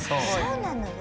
そうなのよ。